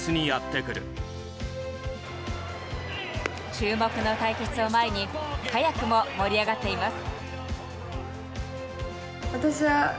注目の対決を前に早くも盛り上がっています。